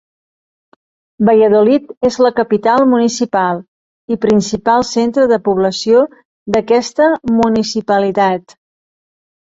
Valladolid és la capital municipal i principal centre de població d'aquesta municipalitat.